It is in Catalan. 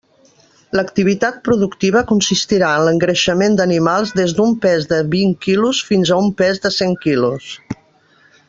L'activitat productiva consistirà en l'engreixament d'animals des d'un pes de vint quilos fins a un pes de cent quilos.